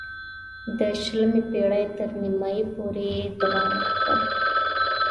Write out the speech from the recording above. د شلمې پېړۍ تر نیمايی پورې یې دوام وکړ.